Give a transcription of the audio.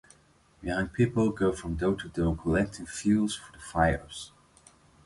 Young people go from door to door collecting fuel for the fires.